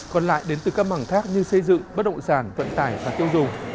còn lại đến từ các mảng khác như xây dựng bất động sản vận tải và tiêu dùng